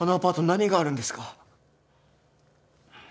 何があるんですか？